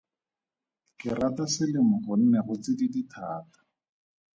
Ke rata selemo gonne go tsididi thata.